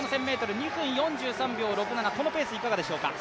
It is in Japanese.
２分４３秒６７、このペースいかがでしょうか？